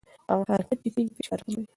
هغه حرکت چې کېږي فشار کموي.